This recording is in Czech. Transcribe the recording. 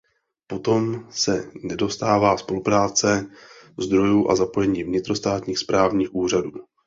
Potom se nedostává spolupráce, zdrojů a zapojení vnitrostátních správních úřadů.